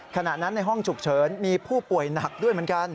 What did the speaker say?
ขณะนั้นในห้องฉุกเฉินมีผู้ป่วยหนักด้วยเหมือนกัน